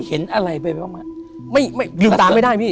เห็นอะไรไปบ้างมาก